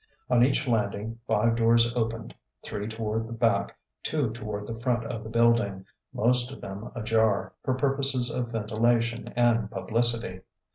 On each landing five doors opened three toward the back, two toward the front of the building: most of them ajar, for purposes of ventilation and publicity.